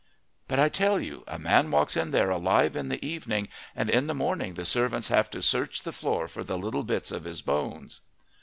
"But I tell you: a man walks in there alive in the evening, and in the morning the servants have to search the floor for the little bits of his bones."